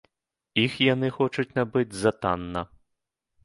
Іх яны хочуць набыць за танна.